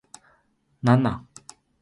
何なん